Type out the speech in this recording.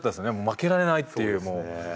負けられないっていうもう。